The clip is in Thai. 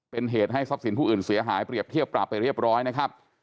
เป็นเหตุให้ทรัพย์สินผู้อื่นเสียหายเปรียบเทียบปรับไปเรียบร้อยนะครับ